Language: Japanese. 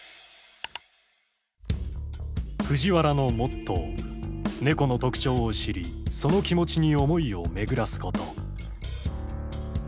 藤原のモットー猫の特徴を知りその気持ちに思いを巡らすこと。